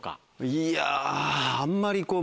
いやあんまり。